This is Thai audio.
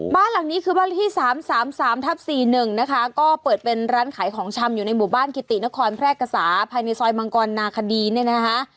บ้านหลังนี้คือบ้านเลขที่๓๓ทับ๔๑นะคะก็เปิดเป็นร้านขายของชำอยู่ในหมู่บ้านกิตินครแพร่กษาภายในซอยมังกรนาคดีเนี่ยนะคะ